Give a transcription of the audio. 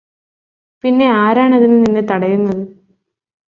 പിന്നെയാരാണതിന് നിന്നെ തടയുന്നത്